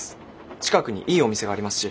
近くにいいお店がありますし。